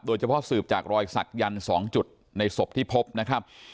โดยเฉพาะสืบจากรอยศักดิ์ยันต์๒จุดในศพที่พบนะครับ